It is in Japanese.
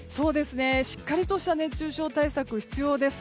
しっかりとした熱中症対策が必要です。